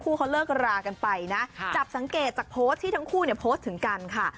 ทั้งคู่เขาเลิกก็ลากันไปนะจับสังเกตจากโพสต์ที่ทั้งคู่โพสต์ถึงกันค่ะ